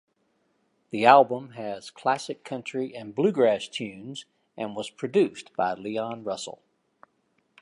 The album has classic country and bluegrass tunes and was produced by Leon Russell.